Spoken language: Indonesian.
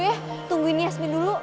ya jangan ntar kita gak bisa masuk